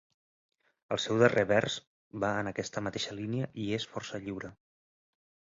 El seu darrer vers va en aquesta mateixa línia i és força lliure.